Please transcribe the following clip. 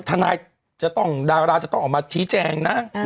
ทนายจะต้องดาราจะต้องออกมาชี้แจงนะ